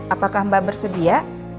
apakah mbak bersedia